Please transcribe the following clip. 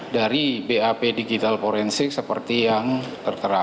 dari bap digital forensik seperti yang tertera